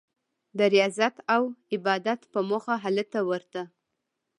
د ریاضت او عبادت په موخه هلته ورته.